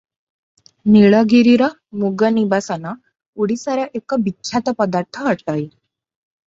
ନୀଳଗିରିର ମୁଗନିବାସନ ଓଡ଼ିଶାର ଏକ ବିଖ୍ୟାତ ପଦାର୍ଥ ଅଟଇ ।